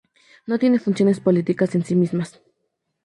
No tienen funciones políticas en sí mismas.